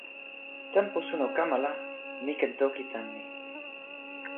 tenpo suno kama la mi ken toki tan ni.